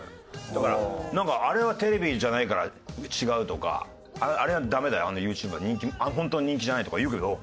だからなんかあれはテレビじゃないから違うとかあれはダメだよあのＹｏｕＴｕｂｅｒは本当は人気じゃないとか言うけど。